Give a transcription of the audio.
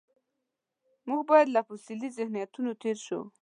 موږ باید له فوسیلي ذهنیتونو تېر شو.